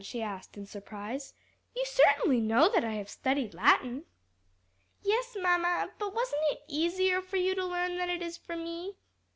she asked in surprise; "you certainly know that I have studied Latin." "Yes, mamma, but wasn't it easier for you to learn than it is for me?"